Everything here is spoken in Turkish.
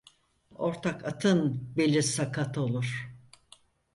Ortak atın beli sakat olur.